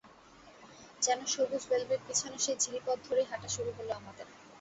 যেন সবুজ ভেলভেট বিছানো সেই ঝিরিপথ ধরেই হাঁটা শুরু হলো আমাদের।